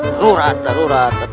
darurat darurat kaya man